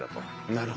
なるほど。